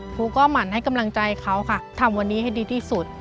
ครูก็หมั่นให้กำลังใจเขาค่ะทำวันนี้ให้ดีที่สุด